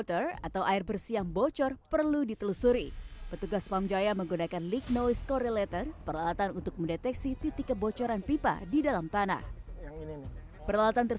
tapi yang membuat air itu bau ke konsumen